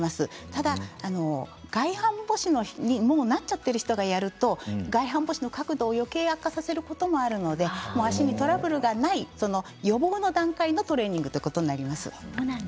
ただ外反ぼしにもうなっちゃっている人がやると外反ぼしの角度をよけい悪化させることもあるのでもう足にトラブルがない予防の段階のトレーニングということになります。